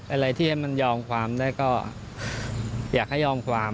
อะไรที่ให้มันยอมความได้ก็อยากให้ยอมความ